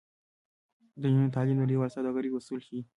د نجونو تعلیم د نړیوال سوداګرۍ اصول ښيي.